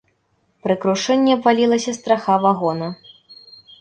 Пры крушэнні абвалілася страха вагона.